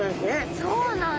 そうなんだ！